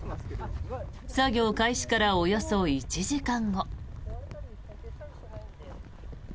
作業開始からおよそ１時間後。